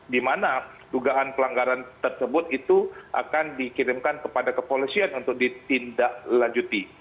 di mana dugaan pelanggaran tersebut itu akan dikirimkan kepada kepolisian untuk ditindaklanjuti